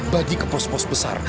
bagi ke pos pos besar